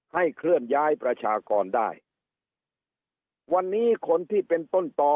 เคลื่อนย้ายประชากรได้วันนี้คนที่เป็นต้นต่อ